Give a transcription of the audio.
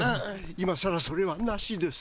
今さらそれはなしです。